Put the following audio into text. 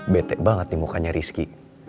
betek banget nih mukanya risky